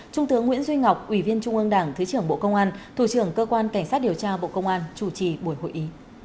trung tướng nguyễn duy ngọc ủy viên trung ương đảng thứ trưởng bộ công an thủ trưởng cơ quan cảnh sát điều tra bộ công an chủ trì buổi hội ý